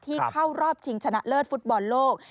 เข้ารอบชิงชนะเลิศฟุตบอลโลก